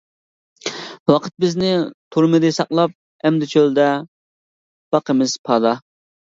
ۋاقىت بىزنى تۇرمىدى ساقلاپ، ئەمدى چۆلدە باقىمىز پادا.